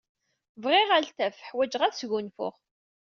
Bɣiɣ altaf. Ḥwajeɣ ad sgunfuɣ.